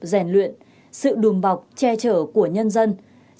giản luyện sự đùm bọc che trở của nhân dân